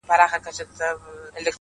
• د باد په حکم ځمه ,